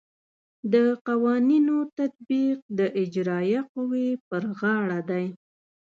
د قوانینو تطبیق د اجرائیه قوې پر غاړه دی.